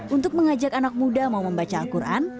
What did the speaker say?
untuk mengajak anak muda mau membaca al quran